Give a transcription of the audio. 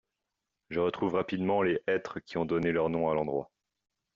Je retrouve rapidement les hêtres qui ont donné leur nom à l’endroit.